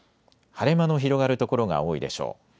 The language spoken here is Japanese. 晴れ間の広がる所が多いでしょう。